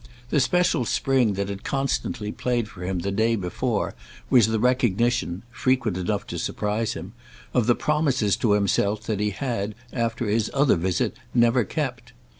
The special spring that had constantly played for him the day before was the recognition—frequent enough to surprise him—of the promises to himself that he had after his other visit never kept.